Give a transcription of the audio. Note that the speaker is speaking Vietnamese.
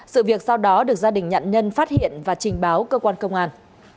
sự việc sau đó được gia đình nạn nhân phát hiện và trình báo cơ quan công an